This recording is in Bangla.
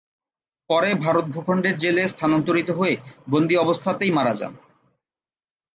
পরে ভারত ভূখণ্ডের জেলে স্থানান্তরিত হয়ে বন্দি অবস্থাতেই মারা যান।